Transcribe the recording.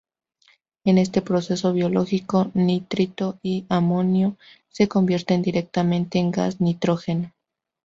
En este proceso biológico, nitrito y amonio se convierten directamente en gas nitrógeno.